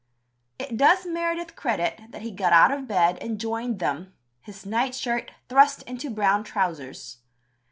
It does Meredith credit that he got out of bed and joined them, "his nightshirt thrust into brown trousers."